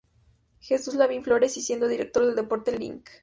Jesús LavÍn Flores y siendo director de deportes el Lic.